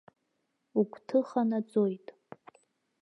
Угәҭыха наӡоит.